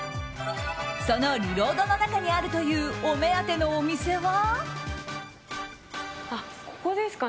そのリロードの中にあるというお目当てのお店は。